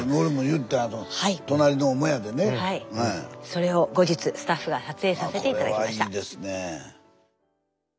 それを後日スタッフが撮影させて頂きました。